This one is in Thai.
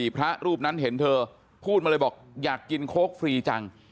พระรูปนั้นเห็นเธอพูดมาเลยบอกอยากกินโค้กฟรีจัง